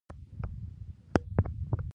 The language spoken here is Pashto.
د یو سېلاب توپیر موجود دی.